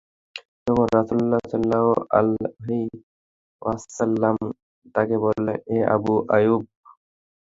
তখন রাসূলুল্লাহ সাল্লাল্লাহু আলাইহি ওয়াসাল্লাম তাকে বললেন, হে আবু আইয়ুব!